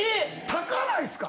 高ないですか？